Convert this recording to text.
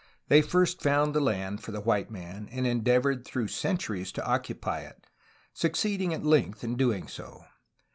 They first found the land for the white man, and endeavored through centuries to occupy it, succeeding at length in doing so.